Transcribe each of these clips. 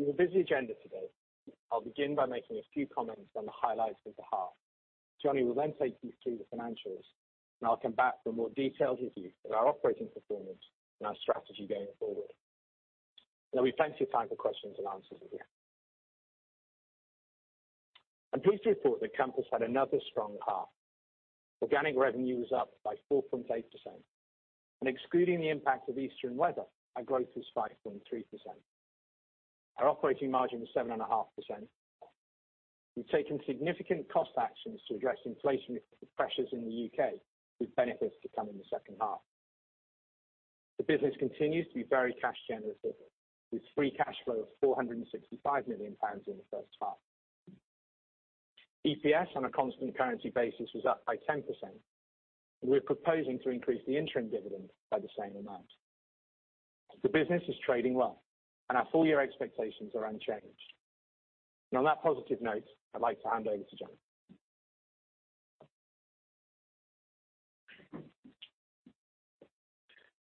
Morning. Thank you for joining us. We have a busy agenda today. I'll begin by making a few comments on the highlights of the half. Johnny will then take you through the financials. I'll come back for a more detailed review of our operating performance and our strategy going forward. There'll be plenty of time for questions and answers at the end. I'm pleased to report that Compass had another strong half. Organic revenue was up by 4.8%, and excluding the impact of Easter and weather, our growth was 5.3%. Our operating margin was 7.5%. We've taken significant cost actions to address inflation pressures in the U.K., with benefits to come in the second half. The business continues to be very cash generative, with free cash flow of 465 million pounds in the first half. EPS on a constant currency basis was up by 10%. We are proposing to increase the interim dividend by the same amount. The business is trading well. Our full-year expectations are unchanged. On that positive note, I'd like to hand over to Johnny.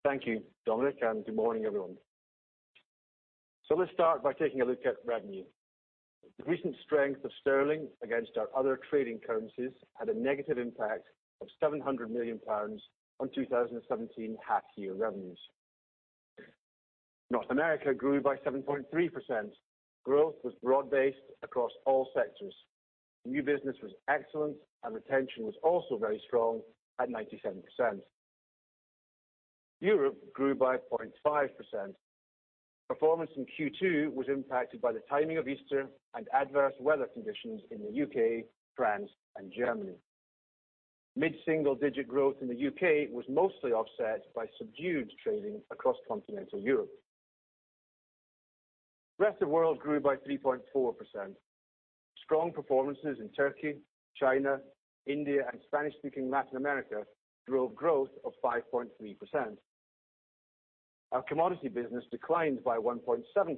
Thank you, Dominic. Good morning, everyone. Let's start by taking a look at revenue. The recent strength of sterling against our other trading currencies had a negative impact of 700 million pounds on 2017 half-year revenues. North America grew by 7.3%. Growth was broad based across all sectors. New business was excellent, and retention was also very strong at 97%. Europe grew by 0.5%. Performance in Q2 was impacted by the timing of Easter and adverse weather conditions in the U.K., France, and Germany. Mid-single-digit growth in the U.K. was mostly offset by subdued trading across continental Europe. Rest of World grew by 3.4%. Strong performances in Turkey, China, India, and Spanish-speaking Latin America drove growth of 5.3%. Our commodity business declined by 1.7%,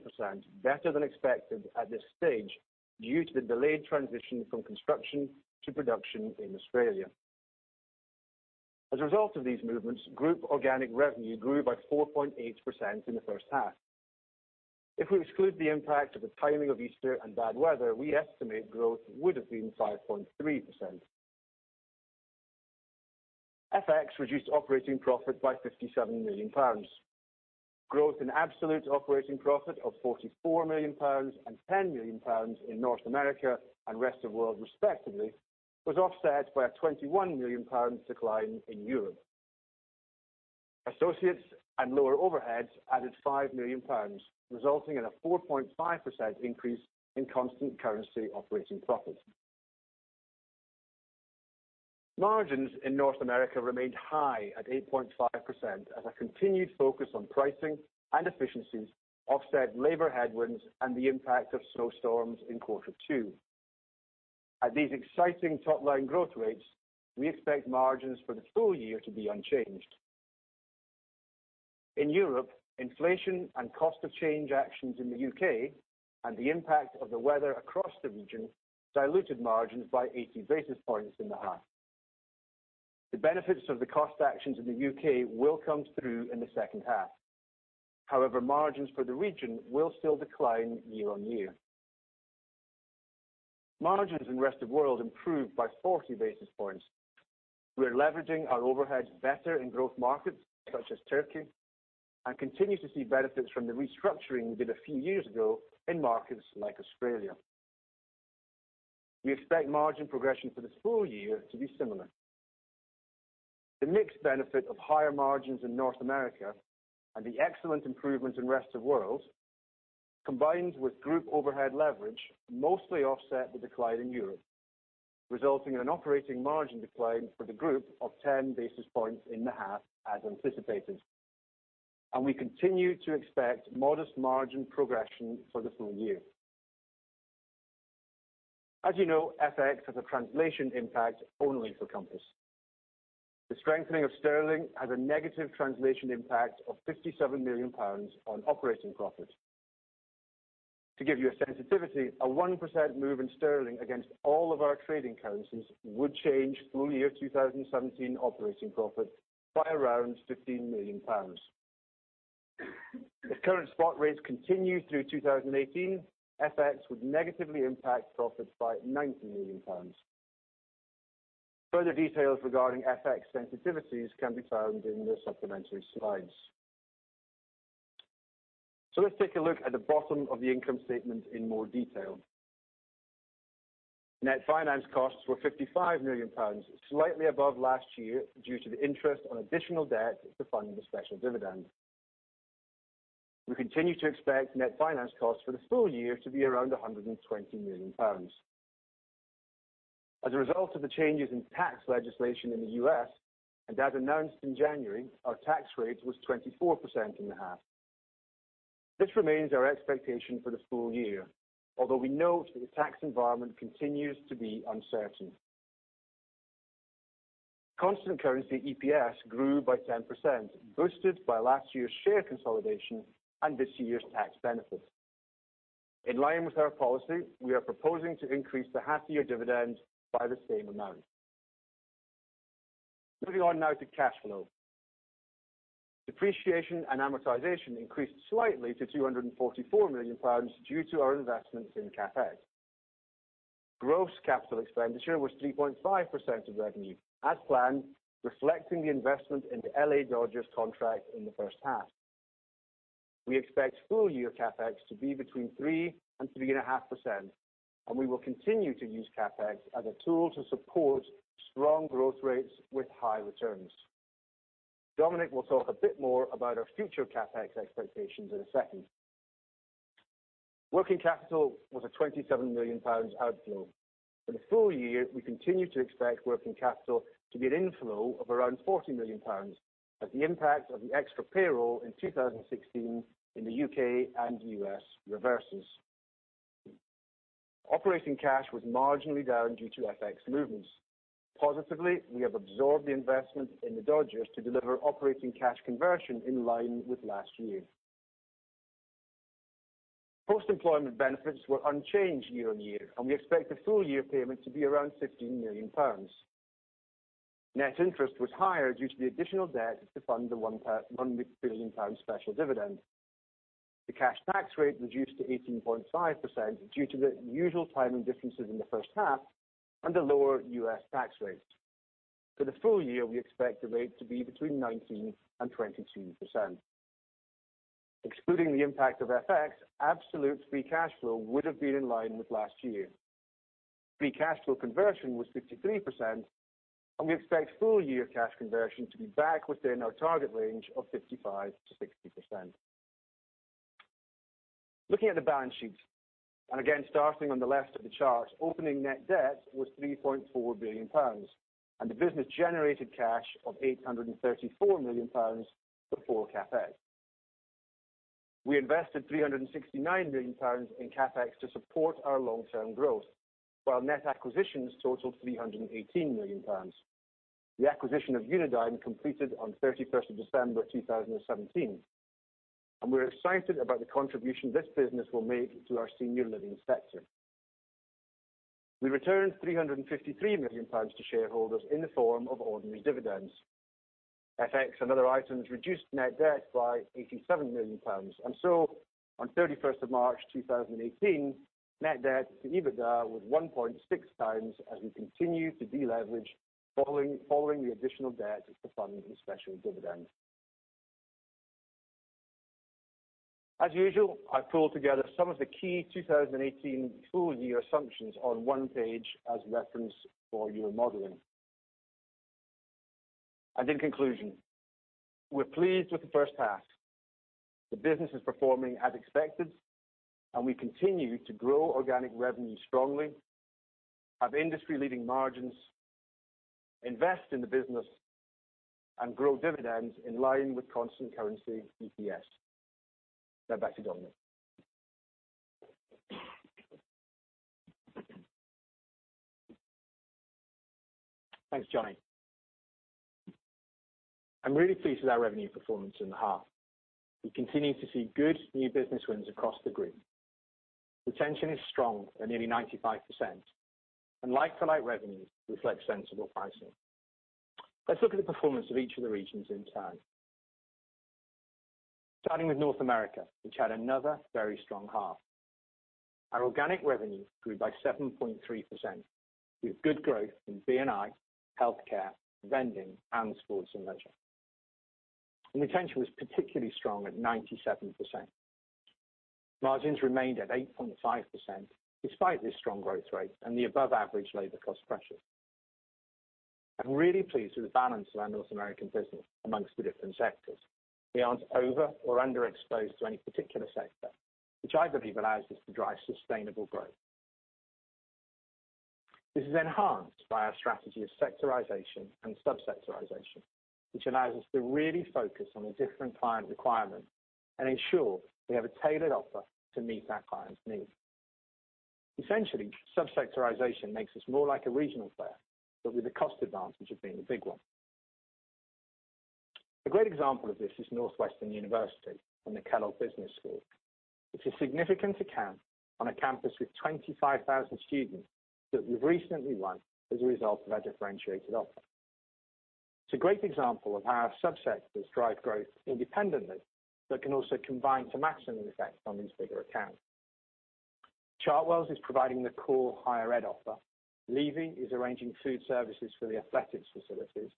better than expected at this stage, due to the delayed transition from construction to production in Australia. As a result of these movements, group organic revenue grew by 4.8% in the first half. If we exclude the impact of the timing of Easter and bad weather, we estimate growth would have been 5.3%. FX reduced operating profit by 57 million pounds. Growth in absolute operating profit of 44 million pounds and 10 million pounds in North America and Rest of World, respectively, was offset by a 21 million pounds decline in Europe. Associates and lower overheads added 5 million pounds, resulting in a 4.5% increase in constant currency operating profit. Margins in North America remained high at 8.5% as a continued focus on pricing and efficiencies offset labor headwinds and the impact of snowstorms in quarter two. At these exciting top-line growth rates, we expect margins for the full year to be unchanged. In Europe, inflation and cost of change actions in the U.K. and the impact of the weather across the region diluted margins by 80 basis points in the half. The benefits of the cost actions in the U.K. will come through in the second half. However, margins for the region will still decline year-on-year. Margins in Rest of World improved by 40 basis points. We are leveraging our overheads better in growth markets such as Turkey and continue to see benefits from the restructuring we did a few years ago in markets like Australia. We expect margin progression for this full year to be similar. The mixed benefit of higher margins in North America and the excellent improvements in Rest of World, combined with group overhead leverage, mostly offset the decline in Europe, resulting in an operating margin decline for the group of 10 basis points in the half as anticipated. We continue to expect modest margin progression for the full year. As you know, FX has a translation impact only for Compass. The strengthening of sterling has a negative translation impact of 57 million pounds on operating profit. To give you a sensitivity, a 1% move in sterling against all of our trading currencies would change full-year 2017 operating profit by around 15 million pounds. If current spot rates continue through 2018, FX would negatively impact profit by 90 million pounds. Further details regarding FX sensitivities can be found in the supplementary slides. Let's take a look at the bottom of the income statement in more detail. Net finance costs were 55 million pounds, slightly above last year due to the interest on additional debt to fund the special dividend. We continue to expect net finance costs for the full year to be around 120 million pounds. As a result of the changes in tax legislation in the U.S., and as announced in January, our tax rate was 24% in the half. This remains our expectation for the full year, although we note that the tax environment continues to be uncertain. Constant currency EPS grew by 10%, boosted by last year's share consolidation and this year's tax benefits. In line with our policy, we are proposing to increase the half-year dividend by the same amount. Moving on now to cash flow. Depreciation and amortization increased slightly to 244 million pounds due to our investments in CapEx. Gross capital expenditure was 3.5% of revenue, as planned, reflecting the investment in the L.A. Dodgers contract in the first half. We expect full-year CapEx to be between 3%-3.5%, and we will continue to use CapEx as a tool to support strong growth rates with high returns. Dominic will talk a bit more about our future CapEx expectations in a second. Working capital was a 27 million pounds outflow. For the full year, we continue to expect working capital to be an inflow of around 40 million pounds as the impact of the extra payroll in 2016 in the U.K. and U.S. reverses. Operating cash was marginally down due to FX movements. Positively, we have absorbed the investment in the Dodgers to deliver operating cash conversion in line with last year. Post-employment benefits were unchanged year on year. We expect the full-year payment to be around 15 million pounds. Net interest was higher due to the additional debt to fund the 1 billion pound special dividend. The cash tax rate reduced to 18.5% due to the usual timing differences in the first half and the lower U.S. tax rate. For the full year, we expect the rate to be between 19% and 22%. Excluding the impact of FX, absolute free cash flow would have been in line with last year. Free cash flow conversion was 63%, and we expect full-year cash conversion to be back within our target range of 55%-60%. Looking at the balance sheet. Again, starting on the left of the chart, opening net debt was 3.4 billion pounds, and the business generated cash of 834 million pounds before CapEx. We invested 369 million pounds in CapEx to support our long-term growth, while net acquisitions totaled 318 million pounds. The acquisition of Unidine completed on 31st of December 2017. We're excited about the contribution this business will make to our senior living sector. We returned 353 million pounds to shareholders in the form of ordinary dividends. FX and other items reduced net debt by 87 million pounds. On 31st of March 2018, net debt to EBITDA was 1.6 times as we continue to deleverage following the additional debt to fund the special dividend. As usual, I pulled together some of the key 2018 full-year assumptions on one page as reference for your modeling. In conclusion, we're pleased with the first half. The business is performing as expected. We continue to grow organic revenue strongly, have industry-leading margins, invest in the business, and grow dividends in line with constant currency EPS. Now back to Dominic. Thanks, Johnny. I'm really pleased with our revenue performance in the half. We continue to see good new business wins across the group. Retention is strong at nearly 95%. Like-for-like revenues reflect sensible pricing. Let's look at the performance of each of the regions in turn. Starting with North America, which had another very strong half. Our organic revenue grew by 7.3%, with good growth in B&I, healthcare, vending, and sports and leisure. Retention was particularly strong at 97%. Margins remained at 8.5%, despite this strong growth rate and the above-average labor cost pressures. I'm really pleased with the balance of our North American business amongst the different sectors. We aren't over or underexposed to any particular sector, which I believe allows us to drive sustainable growth. This is enhanced by our strategy of sectorization and subsectorization, which allows us to really focus on the different client requirements and ensure we have a tailored offer to meet that client's needs. Essentially, subsectorization makes us more like a regional player, but with the cost advantage of being a big one. A great example of this is Northwestern University and the Kellogg Business School. It's a significant account on a campus with 25,000 students that we've recently won as a result of our differentiated offer. It's a great example of how our subsectors drive growth independently, but can also combine to maximum effect on these bigger accounts. Chartwells is providing the core higher ed offer. Levy is arranging food services for the athletics facilities.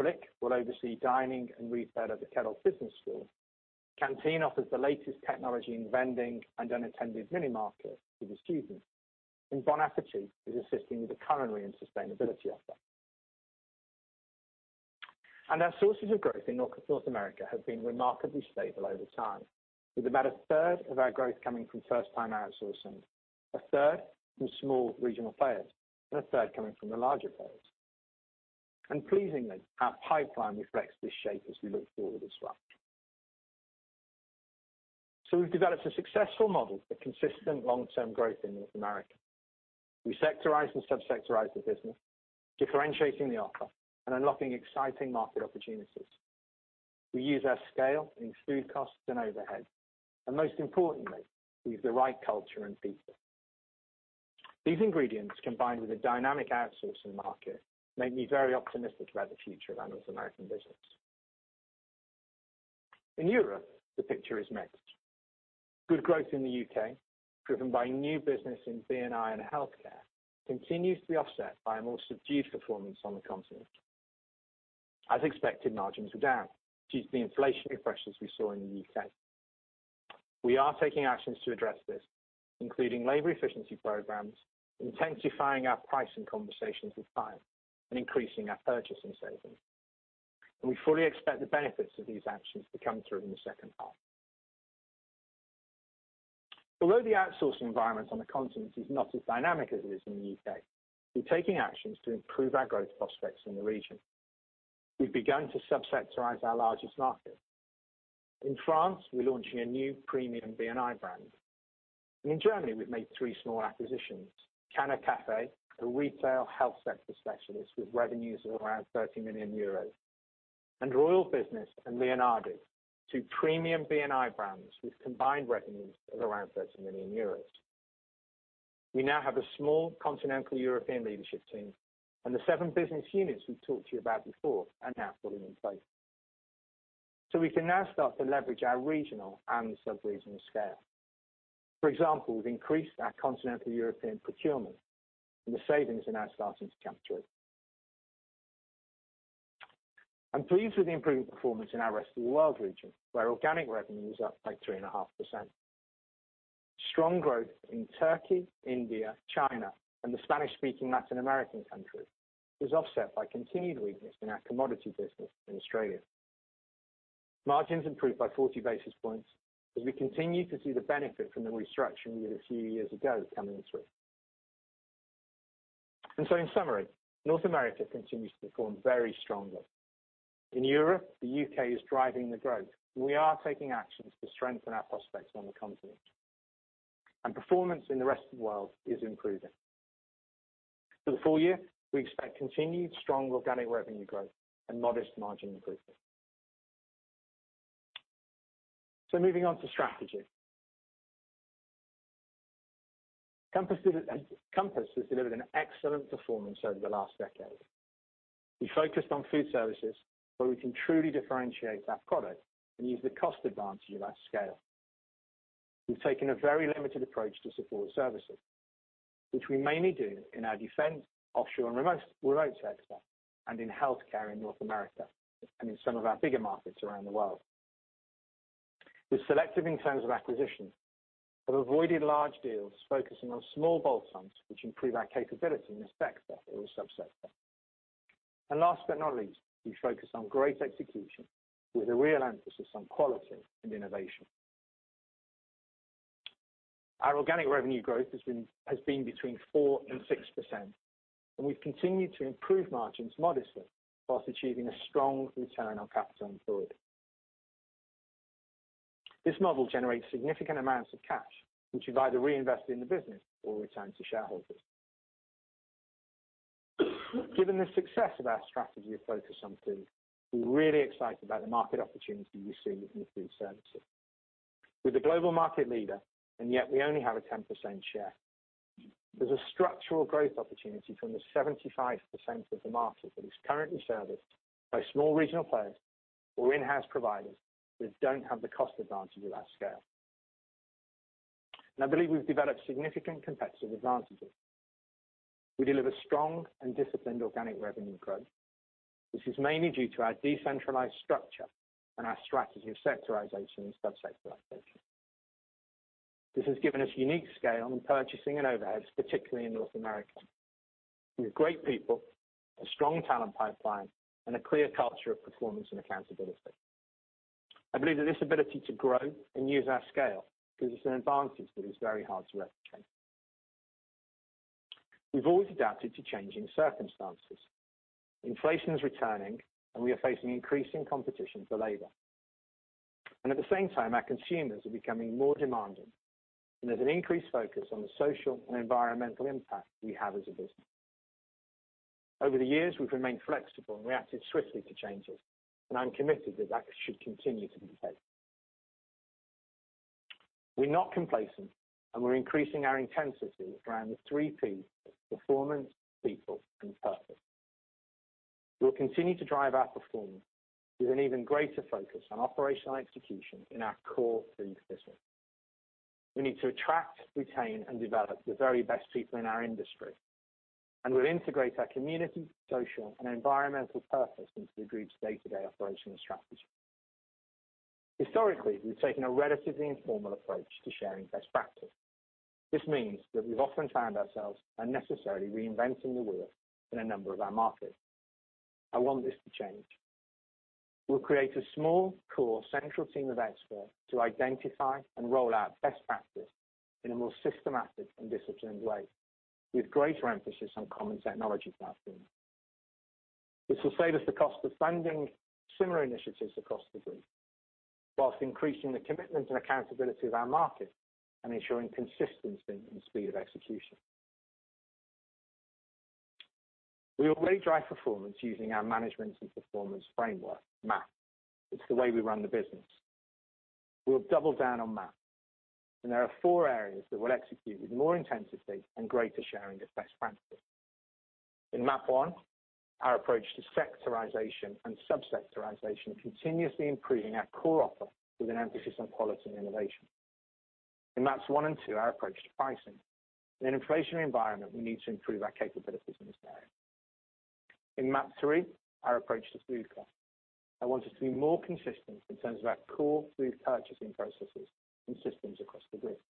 FLIK will oversee dining and refurb of the Kellogg Business School. Canteen offers the latest technology in vending and unattended mini markets to the students. Bon Appétit is assisting with the culinary and sustainability offer. Our sources of growth in North America have been remarkably stable over time, with about a third of our growth coming from first-time outsourcing, a third from small regional players, and a third coming from the larger players. Pleasingly, our pipeline reflects this shape as we look forward as well. We've developed a successful model for consistent long-term growth in North America. We sectorize and subsectorize the business, differentiating the offer and unlocking exciting market opportunities. We use our scale in food costs and overhead, and most importantly, we have the right culture and people. These ingredients, combined with a dynamic outsourcing market, make me very optimistic about the future of our North American business. In Europe, the picture is mixed. Good growth in the U.K., driven by new business in B&I and healthcare, continues to be offset by a more subdued performance on the continent. As expected, margins were down due to the inflationary pressures we saw in the U.K. We are taking actions to address this, including labor efficiency programs, intensifying our pricing conversations with clients, and increasing our purchasing savings. We fully expect the benefits of these actions to come through in the second half. Although the outsourcing environment on the continent is not as dynamic as it is in the U.K., we're taking actions to improve our growth prospects in the region. We've begun to subsectorize our largest market. In France, we're launching a new premium B&I brand. In Germany, we've made three small acquisitions: Kanne Café, a retail health sector specialist with revenues of around 30 million euros; Royal Business and Leonardi, two premium B&I brands with combined revenues of around 30 million euros. We now have a small Continental European leadership team, and the seven business units we've talked to you about before are now fully in place. We can now start to leverage our regional and subregional scale. For example, we've increased our Continental European procurement, and the savings are now starting to come through. I'm pleased with the improved performance in our Rest of the World region, where organic revenue is up by 3.5%. Strong growth in Turkey, India, China, and the Spanish-speaking Latin American countries is offset by continued weakness in our commodity business in Australia. Margins improved by 40 basis points as we continue to see the benefit from the restructuring we did a few years ago coming through. In summary, North America continues to perform very strongly. In Europe, the U.K. is driving the growth. We are taking actions to strengthen our prospects on the continent. Performance in the Rest of the World is improving. For the full year, we expect continued strong organic revenue growth and modest margin improvement. Moving on to strategy. Compass has delivered an excellent performance over the last decade. We focused on food services where we can truly differentiate our product and use the cost advantage of our scale. We've taken a very limited approach to support services, which we mainly do in our defense, offshore and remote sector, and in healthcare in North America, and in some of our bigger markets around the world. We're selective in terms of acquisitions. We've avoided large deals, focusing on small bolt-ons which improve our capability in the sector or subsector. Last but not least, we focus on great execution with a real emphasis on quality and innovation. Our organic revenue growth has been between 4% and 6%, and we've continued to improve margins modestly whilst achieving a strong return on capital employed. This model generates significant amounts of cash, which we've either reinvested in the business or returned to shareholders. Given the success of our strategy of focus on food, we're really excited about the market opportunity we see within food services. We're the global market leader, and yet we only have a 10% share. There's a structural growth opportunity from the 75% of the market that is currently serviced by small regional players or in-house providers that don't have the cost advantage of our scale. I believe we've developed significant competitive advantages. We deliver strong and disciplined organic revenue growth, which is mainly due to our decentralized structure and our strategy of sectorization and subsectorization. This has given us unique scale on purchasing and overheads, particularly in North America. We have great people, a strong talent pipeline, and a clear culture of performance and accountability. I believe that this ability to grow and use our scale gives us an advantage that is very hard to replicate. We've always adapted to changing circumstances. Inflation is returning, and we are facing increasing competition for labor. At the same time, our consumers are becoming more demanding, and there's an increased focus on the social and environmental impact we have as a business. Over the years, we've remained flexible and reacted swiftly to changes, and I'm committed that that should continue to be the case. We're not complacent, and we're increasing our intensity around the three Ps, performance, people and purpose. We'll continue to drive our performance with an even greater focus on operational execution in our core food business. We need to attract, retain, and develop the very best people in our industry, and we'll integrate our community, social, and environmental purpose into the group's day-to-day operational strategy. Historically, we've taken a relatively informal approach to sharing best practice. This means that we've often found ourselves unnecessarily reinventing the wheel in a number of our markets. I want this to change. We'll create a small, core central team of experts to identify and roll out best practice in a more systematic and disciplined way, with greater emphasis on common technology platforms. This will save us the cost of funding similar initiatives across the group whilst increasing the commitment and accountability of our markets and ensuring consistency and speed of execution. We already drive performance using our management and performance framework, MAP. It's the way we run the business. We'll double down on MAP, and there are four areas that we'll execute with more intensity and greater sharing of best practice. In MAP 1, our approach to sectorization and sub-sectorization, continuously improving our core offer with an emphasis on quality and innovation. In MAPs 1 and 2, our approach to pricing. In an inflationary environment, we need to improve our capabilities in this area. In MAP 3, our approach to food cost. I want us to be more consistent in terms of our core food purchasing processes and systems across the group.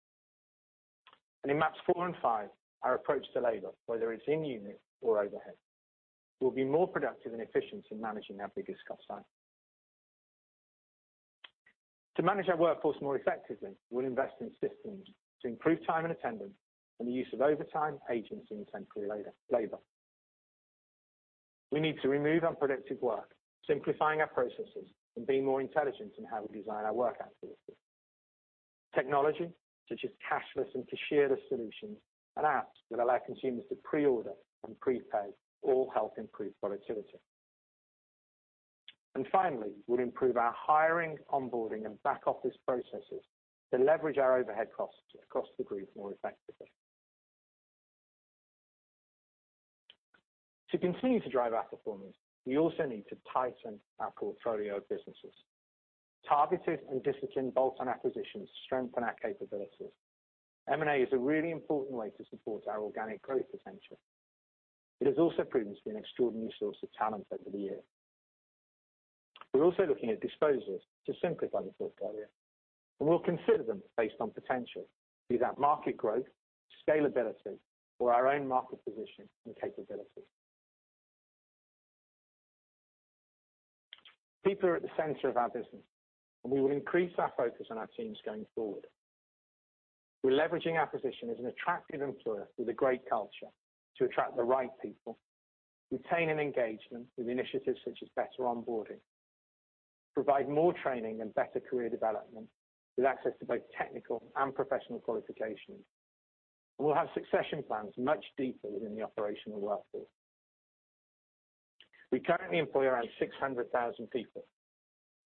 In MAPs 4 and 5, our approach to labor, whether it's in-unit or overhead. We'll be more productive and efficient in managing our biggest cost item. To manage our workforce more effectively, we'll invest in systems to improve time and attendance and the use of overtime, agency, and temporary labor. We need to remove unproductive work, simplifying our processes, and be more intelligent in how we design our work activities. Technology such as cashless and cashierless solutions and apps that allow consumers to pre-order and pre-pay all help improve productivity. Finally, we'll improve our hiring, onboarding, and back-office processes to leverage our overhead costs across the group more effectively. To continue to drive our performance, we also need to tighten our portfolio of businesses. Targeted and disciplined bolt-on acquisitions strengthen our capabilities. M&A is a really important way to support our organic growth potential. It has also proven to be an extraordinary source of talent over the years. We're also looking at disposals to simplify the portfolio. We'll consider them based on potential. Be that market growth, scalability, or our own market position and capabilities. People are at the center of our business. We will increase our focus on our teams going forward. We're leveraging our position as an attractive employer with a great culture to attract the right people, retention and engagement with initiatives such as better onboarding, provide more training and better career development with access to both technical and professional qualifications. We'll have succession plans much deeper within the operational workforce. We currently employ around 600,000 people,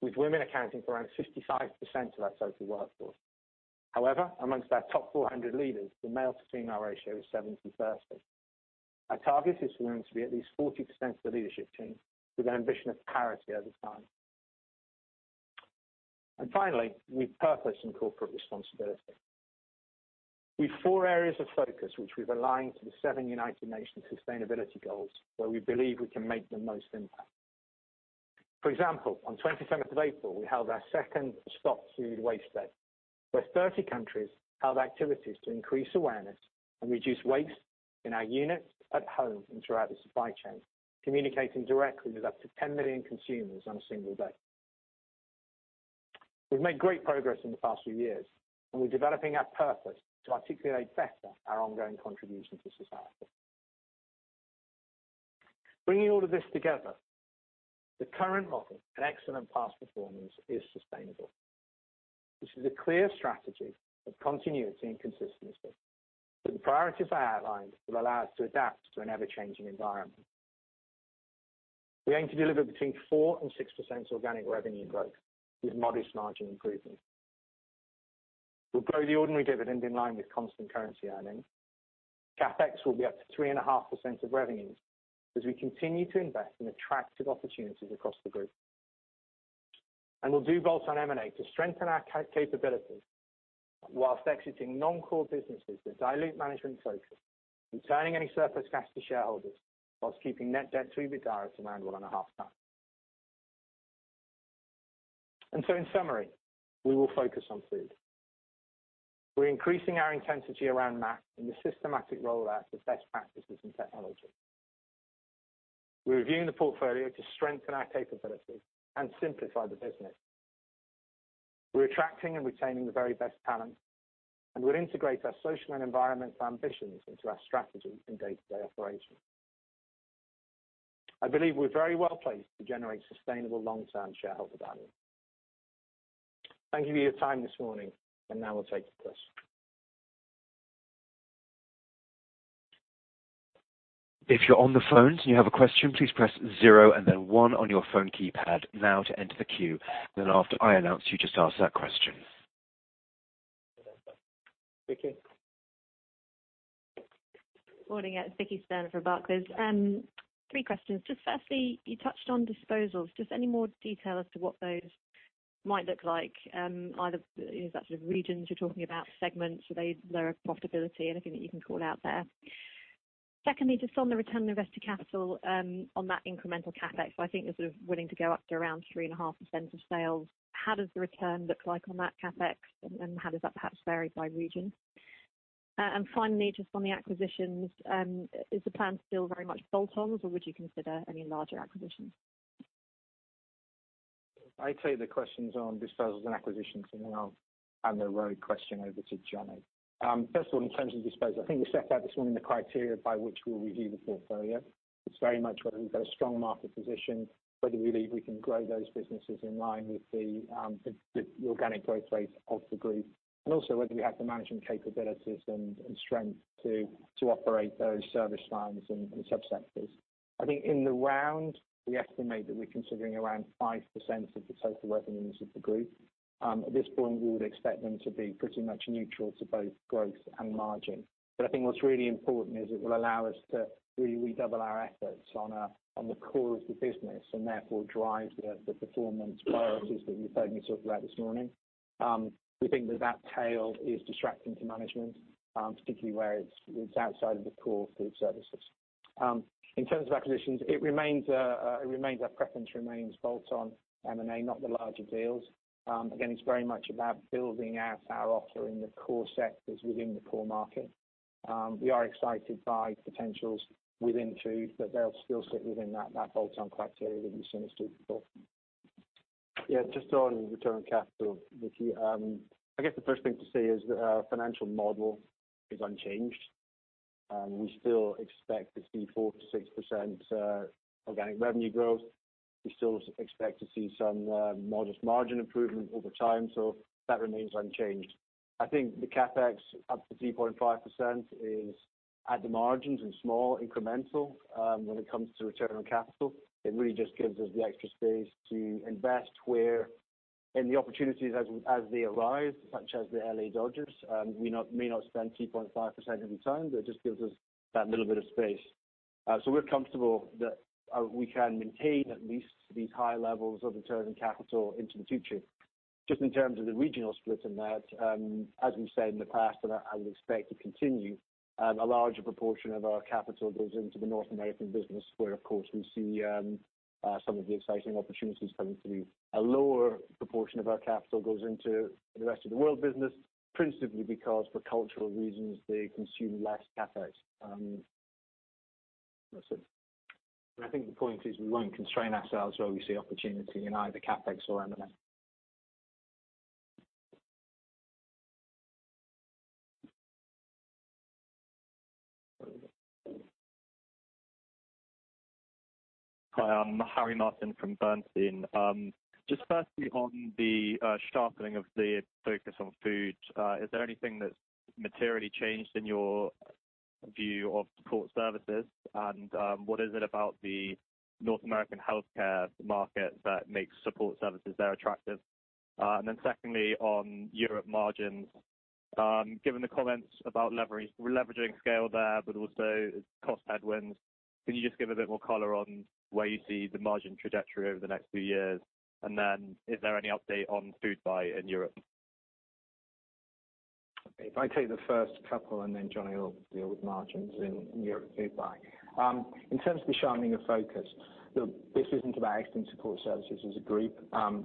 with women accounting for around 65% of our total workforce. However, amongst our top 400 leaders, the male to female ratio is 70/30. Our target is for women to be at least 40% of the leadership team with an ambition of parity over time. Finally, with purpose and corporate responsibility. We have four areas of focus, which we've aligned to the seven United Nations sustainability goals where we believe we can make the most impact. For example, on 27th of April, we held our second Stop Food Waste Day, where 30 countries held activities to increase awareness and reduce waste in our units, at home, and throughout our supply chain, communicating directly with up to 10 million consumers on a single day. We've made great progress in the past few years. We're developing our purpose to articulate better our ongoing contribution to society. Bringing all of this together, the current model and excellent past performance is sustainable. This is a clear strategy of continuity and consistency. The priorities I outlined will allow us to adapt to an ever-changing environment. We aim to deliver between 4% and 6% organic revenue growth with modest margin improvement. We'll grow the ordinary dividend in line with constant currency earnings. CapEx will be up to 3.5% of revenues as we continue to invest in attractive opportunities across the group. We'll do bolt on M&A to strengthen our capabilities whilst exiting non-core businesses that dilute management focus, returning any surplus cash to shareholders whilst keeping net debt to EBITDA to around 1.5 times. In summary, we will focus on food. We're increasing our intensity around MAP and the systematic rollout of best practices and technology. We're reviewing the portfolio to strengthen our capabilities and simplify the business. We're attracting and retaining the very best talent. We'll integrate our social and environmental ambitions into our strategy in day-to-day operations. I believe we're very well placed to generate sustainable long-term shareholder value. Thank you for your time this morning. Now we'll take questions. If you're on the phones and you have a question, please press 0 and then 1 on your phone keypad now to enter the queue. After I announce you, just ask that question. Vicki? Morning. It's Vicki Stern for Barclays. Three questions. Firstly, you touched on disposals. Just any more detail as to what those might look like? Is that sort of regions you're talking about, segments? Are they lower profitability? Anything that you can call out there. Secondly, just on the return on invested capital, on that incremental CapEx, I think you're sort of willing to go up to around 3.5% of sales. How does the return look like on that CapEx, and how does that perhaps vary by region? Finally, just on the acquisitions, is the plan still very much bolt-ons, or would you consider any larger acquisitions? I'll take the questions on disposals and acquisitions, then I'll hand the road question over to Johnny. First of all, in terms of disposals, I think we set out this morning the criteria by which we'll review the portfolio. It's very much whether we've got a strong market position, whether we believe we can grow those businesses in line with the organic growth rate of the group. Also, whether we have the management capabilities and strength to operate those service lines and sub-sectors. I think in the round, we estimate that we're considering around 5% of the total revenues of the group. At this point, we would expect them to be pretty much neutral to both growth and margin. I think what's really important is it will allow us to really redouble our efforts on the core of the business, and therefore drive the performance priorities that you've heard me talk about this morning. We think that that tail is distracting to management, particularly where it's outside of the core food services. In terms of acquisitions, our preference remains bolt-on M&A, not the larger deals. Again, it's very much about building out our offer in the core sectors within the core market. We are excited by potentials within food, but they'll still sit within that bolt-on criteria that you've seen us do before. Yeah. Just on return on capital, Vicki. I guess the first thing to say is that our financial model is unchanged. We still expect to see 4%-6% organic revenue growth. We still expect to see some modest margin improvement over time. That remains unchanged. I think the CapEx up to 3.5% is at the margins and small incremental, when it comes to return on capital. It really just gives us the extra space to invest where in the opportunities as they arise, such as the L.A. Dodgers. We may not spend 3.5% every time, but it just gives us that little bit of space. We're comfortable that we can maintain at least these high levels of return on capital into the future. Just in terms of the regional splits in that, as we've said in the past, and I would expect to continue, a larger proportion of our capital goes into the North American business where, of course, we see some of the exciting opportunities coming through. A lower proportion of our capital goes into the Rest of the World business, principally because for cultural reasons, they consume less CapEx. That's it. I think the point is we won't constrain ourselves where we see opportunity in either CapEx or M&A. Hi, I'm Harry Martin from Bernstein. Just firstly, on the sharpening of the focus on food, is there anything that's materially changed in your view of support services? What is it about the North American healthcare market that makes support services there attractive? Secondly, on Europe margins. Given the comments about leveraging scale there, but also cost headwinds, can you just give a bit more color on where you see the margin trajectory over the next few years? Is there any update on Foodbuy in Europe? If I take the first couple and then Johnny will deal with margins in Europe Foodbuy. In terms of the sharpening of focus, look, this isn't about exiting support services as a group.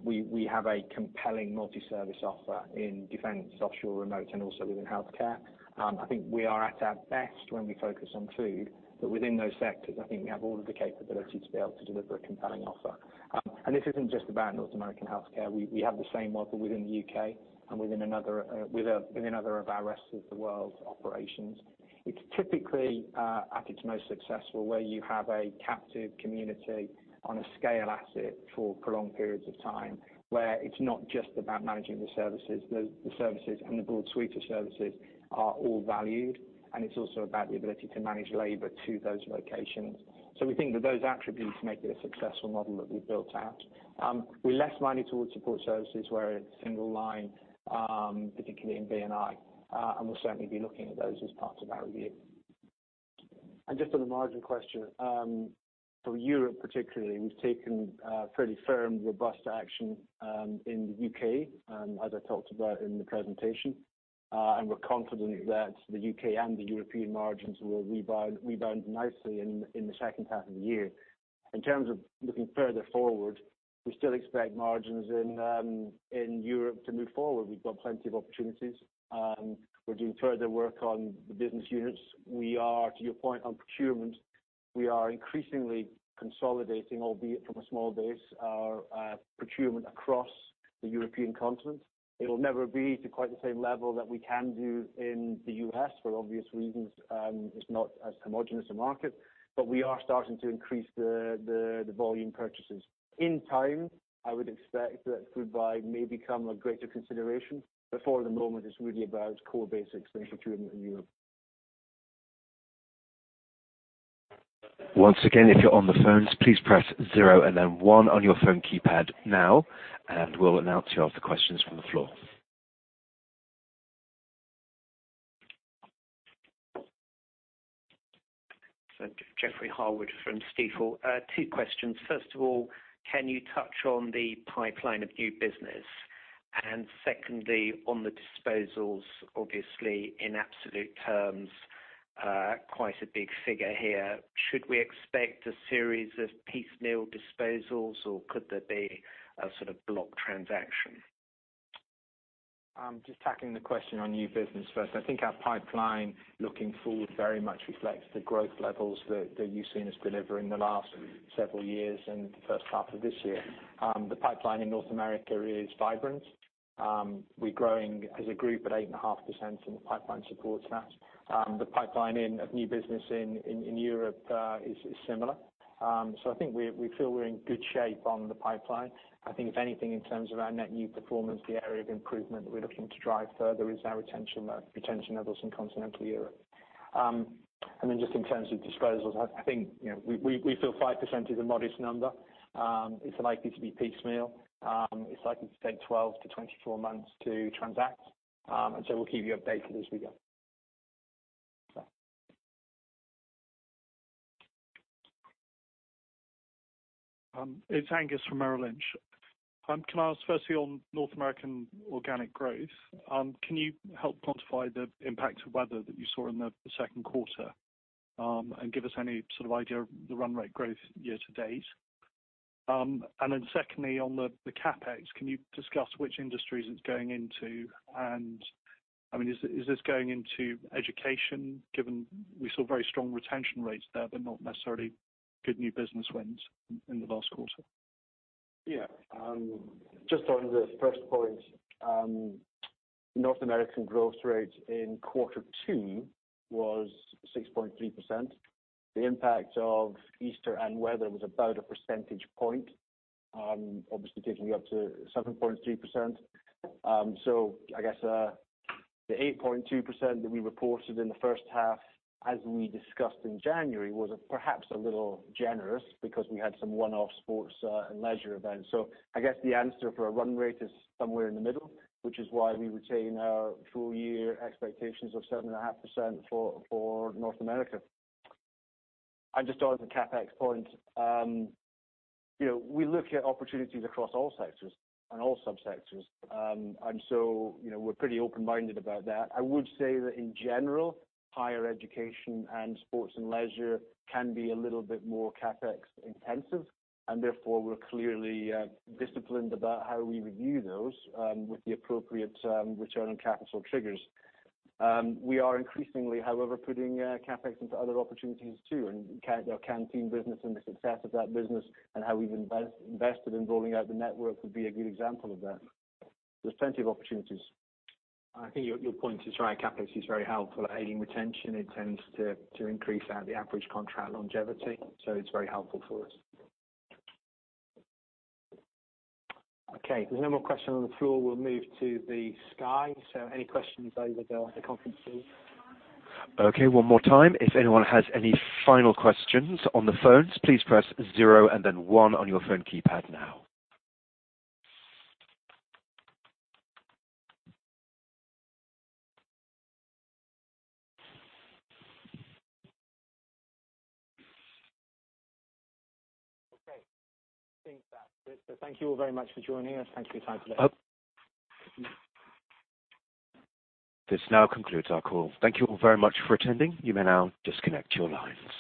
We have a compelling multi-service offer in defense, offshore, remote, and also within healthcare. I think we are at our best when we focus on food. Within those sectors, I think we have all of the capability to be able to deliver a compelling offer. This isn't just about North American healthcare. We have the same model within the U.K. and within another of our Rest of the World operations. It's typically at its most successful where you have a captive community on a scale asset for prolonged periods of time, where it's not just about managing the services. The services and the broad suite of services are all valued, and it's also about the ability to manage labor to those locations. We think that those attributes make it a successful model that we've built out. We're less minded towards support services where it's single line, particularly in B&I, and we'll certainly be looking at those as part of our review. Just on the margin question. For Europe particularly, we have taken fairly firm, robust action in the U.K., as I talked about in the presentation. We are confident that the U.K. and the European margins will rebound nicely in the second half of the year. In terms of looking further forward, we still expect margins in Europe to move forward. We have got plenty of opportunities. We are doing further work on the business units. To your point on procurement, we are increasingly consolidating, albeit from a small base, our procurement across the European continent. It will never be to quite the same level that we can do in the U.S. for obvious reasons. It is not as homogenous a market. We are starting to increase the volume purchases. In time, I would expect that Foodbuy may become a greater consideration. For the moment, it is really about core basics around procurement in Europe. Once again, if you are on the phones, please press zero and then one on your phone keypad now, we will announce you after questions from the floor. Thank you. Jeffrey Harwood from Stifel. Two questions. First of all, can you touch on the pipeline of new business? Secondly, on the disposals, obviously in absolute terms, quite a big figure here. Should we expect a series of piecemeal disposals, or could there be a sort of block transaction? Just tackling the question on new business first. I think our pipeline looking forward very much reflects the growth levels that you've seen us deliver in the last several years and the first half of this year. The pipeline in North America is vibrant. We're growing as a group at 8.5%, and the pipeline supports that. The pipeline of new business in Europe is similar. I think we feel we're in good shape on the pipeline. I think if anything, in terms of our net new performance, the area of improvement that we're looking to drive further is our retention levels in Continental Europe. Then just in terms of disposals, I think we feel 5% is a modest number. It's likely to be piecemeal. It's likely to take 12 to 24 months to transact. So we'll keep you updated as we go. It's Angus from Merrill Lynch. Can I ask firstly on North American organic growth, can you help quantify the impact of weather that you saw in the second quarter, and give us any sort of idea of the run rate growth year to date? Then secondly, on the CapEx, can you discuss which industries it's going into? I mean, is this going into education given we saw very strong retention rates there, but not necessarily good new business wins in the last quarter? Just on the first point, North American growth rate in quarter two was 6.3%. The impact of Easter and weather was about a percentage point, obviously taking it up to 7.3%. I guess, the 8.2% that we reported in the first half, as we discussed in January, was perhaps a little generous because we had some one-off sports, and leisure events. I guess the answer for a run rate is somewhere in the middle, which is why we retain our full year expectations of 7.5% for North America. Just on the CapEx point, we look at opportunities across all sectors and all subsectors. We're pretty open-minded about that. I would say that in general, higher education and sports and leisure can be a little bit more CapEx intensive, therefore we're clearly disciplined about how we review those, with the appropriate return on capital triggers. We are increasingly, however, putting CapEx into other opportunities too, our Canteen business and the success of that business and how we've invested in rolling out the network would be a good example of that. There's plenty of opportunities. I think your point is right. CapEx is very helpful at aiding retention. It tends to increase the average contract longevity, so it's very helpful for us. Okay. There's no more question on the floor. We'll move to the sky. Any questions over there on the conference, please. Okay, one more time. If anyone has any final questions on the phones, please press zero and then one on your phone keypad now. Okay. I think that's it. Thank you all very much for joining us. Thank you for your time today. This now concludes our call. Thank you all very much for attending. You may now disconnect your lines.